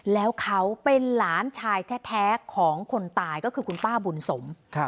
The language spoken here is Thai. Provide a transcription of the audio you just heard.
แล้วเขาเป็นหลานชายแท้ของคนตายก็คือคุณป้าบุญสม